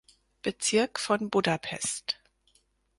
Bezirk von Budapest.